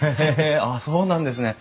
あっそうなんですね。